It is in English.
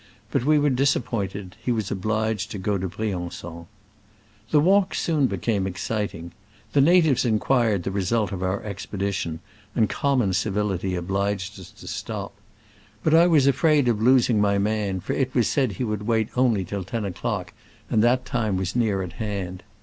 But we were disappointed : he was obliged to go to Brian9on. The walk soon became exciting. The natives inquired the result of our expe dition, and common civility obliged us to stop. But I was afraid of losing my man, for it was said he would wait only till ten o'clock, and that time was near at hand.